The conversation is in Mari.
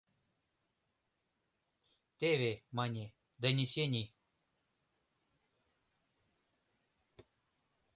— Теве, — мане, — донесений.